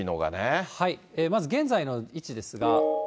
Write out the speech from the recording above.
まず現在の位置ですが。